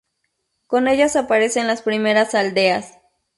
Con ellas aparecen las primeras aldeas.